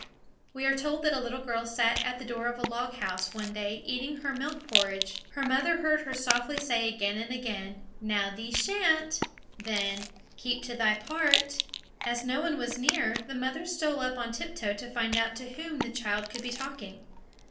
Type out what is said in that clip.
We are told that a little girl sat at the door of a log house, one day, eating her milk porridge. Her mother heard her softly say again and again: "Now, thee sha'n't;" then, "Keep to thy part." As no one was near, the mother stole up on tiptoe to find out to whom the child could be talking.